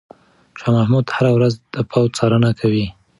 شاه محمود هره ورځ د پوځ څارنه کوي.